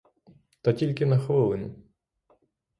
Та тільки на хвилину.